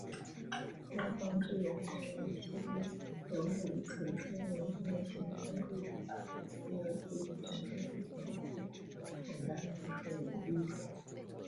东方巨龙昂然起立，犹如直冲云天的擎天柱一般，好似要击穿朗朗乾坤，简单来说，我立了